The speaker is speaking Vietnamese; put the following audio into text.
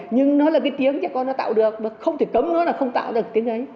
nhưng nó là cái tiếng cho con nó tạo được mà không thể cấm nữa là không tạo được tiếng ấy